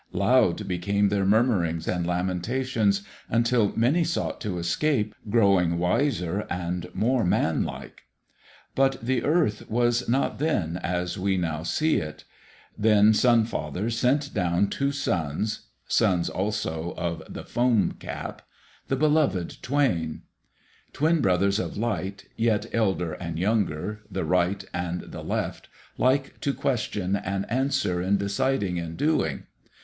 Loud became their murmurings and lamentations, until many sought to escape, growing wiser and more man like. But the earth was not then as we now see it. Then Sun father sent down two sons (sons also of the Foam cap), the Beloved Twain, Twin Brothers of Light, yet Elder and Younger, the Right and the Left, like to question and answer in deciding and doing.